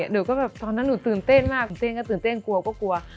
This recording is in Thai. หนูก็แบบตอนนั้นหนูตื่นเต้นมากหนูเต้นก็ตื่นเต้นกลัวก็กลัว